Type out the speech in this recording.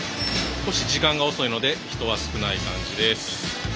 少し時間が遅いので人は少ない感じです。